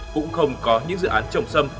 cũng không có những dự án trồng sâm